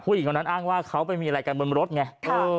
ผู้หญิงคนนั้นอ้างว่าเขาไปมีอะไรกันบนรถไง